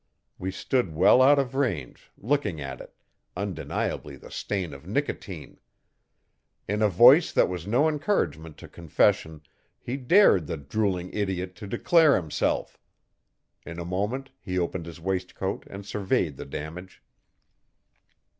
We stood well out of range, looking at it, undeniably the stain of nicotine. In a voice that was no encouragement to confession he dared 'the drooling idiot' to declare himself. In a moment he opened his waistcoat and surveyed the damage.